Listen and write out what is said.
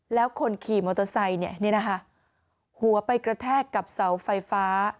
แล้วคนขี่มอเตอร์ไซค์หัวไปกระแทกกับเสาไฟฟ้า